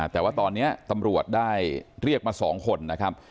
แต่ว่าตอนนี้ตำรวจได้เรียกมา๒คนนะครับ